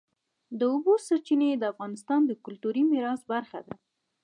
د اوبو سرچینې د افغانستان د کلتوري میراث برخه ده.